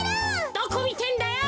どこみてんだよ！